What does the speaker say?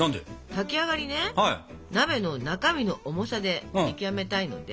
炊き上がりね鍋の中身の重さで見極めたいので。